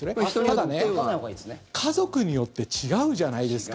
ただ、家族によって違うじゃないですか。